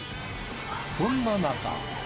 そんな中。